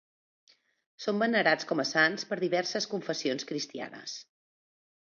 Són venerats com a sants per diverses confessions cristianes.